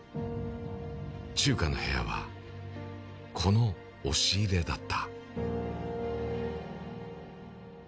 チューカの部屋は、この押し入れだった。